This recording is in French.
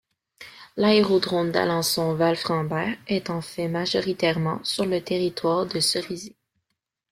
L'aérodrome d'Alençon - Valframbert est en fait majoritairement sur le territoire de Cerisé.